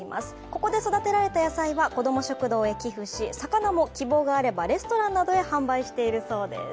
ここで育てられた野菜はこども食堂へ寄付し魚も希望があればレストランなどへ販売しているそうです。